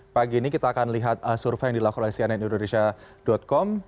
pagi ini kita akan lihat survei yang dilakukan oleh cnnindonesia com